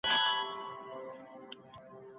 د خاوند او ميرمني په منځ کي د خاوند حقوق معلوم دي.